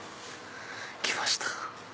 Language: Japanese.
きました。